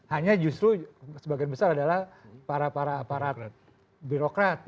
hanya justru sebagian besar adalah para para aparat birokrat